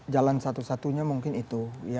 jalan satu satunya mungkin itu